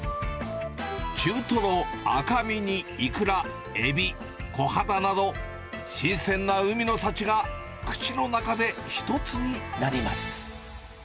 中トロ、赤身にイクラ、エビ、コハダなど、新鮮な海の幸が口の中で一つになります。